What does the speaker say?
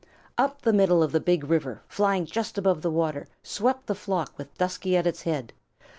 Up the middle of the Big River, flying just above the water, swept the flock with Dusky at its head.